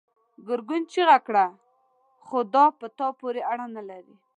ګرګين چيغه کړه: خو دا په تا پورې اړه نه لري!